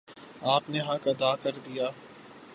آپ نے حق ادا کر دیا